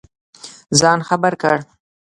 ځان خبر کړ.